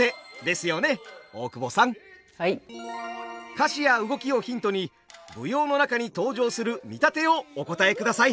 歌詞や動きをヒントに舞踊の中に登場する見立てをお答えください。